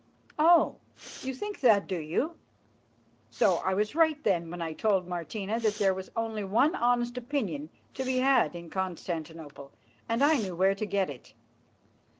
"Oh! you think that, do you? So I was right when I told Martina that there was only one honest opinion to be had in Constantinople and I knew where to get it.